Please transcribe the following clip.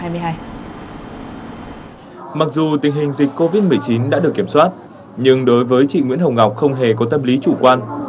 mặc dù tình hình dịch covid một mươi chín đã được kiểm soát nhưng đối với chị nguyễn hồng ngọc không hề có tâm lý chủ quan